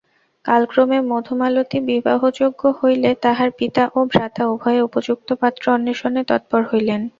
কালক্রমে মধুমালতী বিবাহযোগ্যা হইলে তাহার পিতা ও ভ্রাতা উভয়ে উপযুক্ত পাত্র অন্বেষণে তৎপর হইলেন।